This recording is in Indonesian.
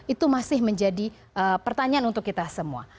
itu masih menjadi pertanyaan untuk kita semua